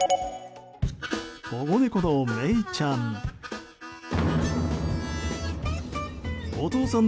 保護猫の美ちゃん。